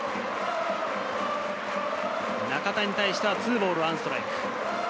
中田に対して２ボール１ストライク。